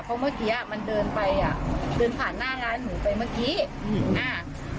เพราะเมื่อกี้อ่ะมันเดินไปอ่ะเดินผ่านหน้าร้านหนูไปเมื่อกี้อืมอ่า